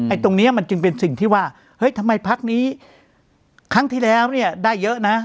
ตรงนี้มันจึงเป็นสิ่งที่ว่าเฮ้ยทำไมพักนี้ครั้งที่แล้วเนี่ยได้เยอะนะ